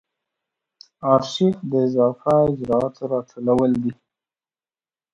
آرشیف د اضافه اجرااتو راټولول دي.